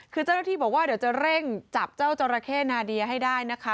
คือเจ้าหน้าที่บอกว่าเดี๋ยวจะเร่งจับเจ้าจราเข้นาเดียให้ได้นะคะ